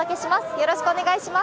よろしくお願いします。